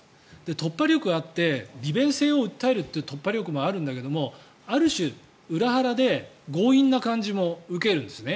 突破力があって利便性を訴えるという突破力もあるんだけどある種、裏腹で強引な感じも受けるんですね。